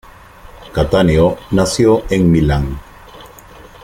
Cattaneo nació en Milán.